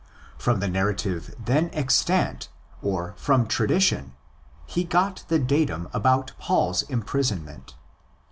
From the narrative then extant or from tradition he got the datum about Paul's imprisonment.